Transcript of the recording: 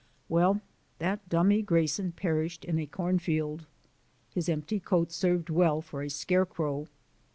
Well, that dummy Grayson perished in a cornfield. His empty coat served well for a scarecrow.